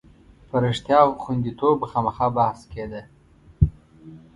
په رښتیا غوندېتوب به خامخا بحث کېده.